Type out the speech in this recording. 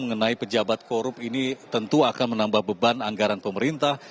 mengenai pejabat korup ini tentu akan menambah beban anggaran pemerintah